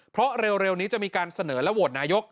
เพราะเร็วนี้จะมีการเสนอและโหวตนายก